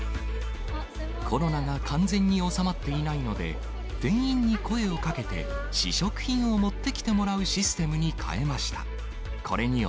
コロナが完全に収まっていないので、店員に声をかけて、試食品を持ってきてもらうシステムに変えました。